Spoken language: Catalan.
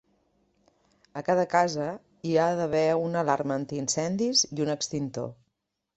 A cada casa hi ha d'haver una alarma antiincendis i un extintor.